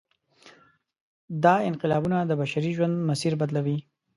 دا انقلابونه د بشري ژوند مسیر بدلوي.